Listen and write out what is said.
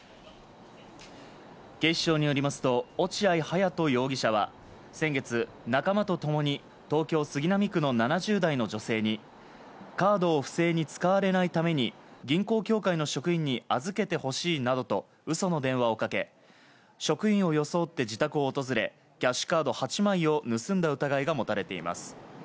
警視庁によりますと、落合勇人容疑者は先月、仲間と共に東京・杉並区の７０代の女性にカードを不正に使われないために、銀行協会の職員に預けてほしいなどと、うその電話をかけ、職員を装って自宅を訪れ、キャッシャカード８枚を盗んだ疑いが持たれています。